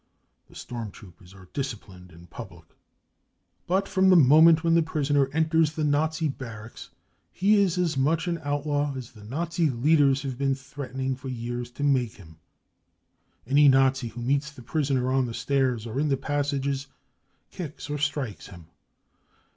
The storm troopers are " disciplined " in public. _*. But from the moment when the prisoner enters the Nazi BRUTALITY AND TORTURE 197 ! barracks he is as much an outlaw as the Nazi leaders have | been threatening for years to make him. Any Nazi who meets the prisoner on the stairs or in the passages kicks or strikes him.